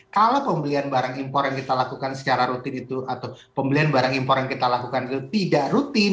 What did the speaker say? kalau pembelian barang impor yang kita lakukan secara rutin itu atau pembelian barang impor yang kita lakukan itu tidak rutin